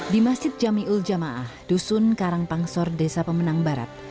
di masjid jami'ul jamaah dusun karangpangsor desa pemenang barat